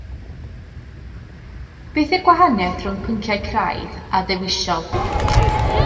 Beth yw'r gwahaniaeth rhwng pynciau craidd a dewisol?